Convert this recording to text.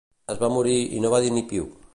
Es va morir i no va dir ni piu